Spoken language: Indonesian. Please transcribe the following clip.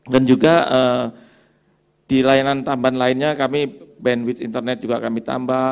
dan juga di layanan tambahan lainnya kami bandwidth internet juga kami tambah